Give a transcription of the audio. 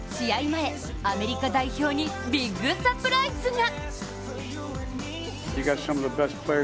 前、アメリカ代表にビッグサプライズが！